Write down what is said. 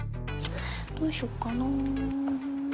どうしよっかな。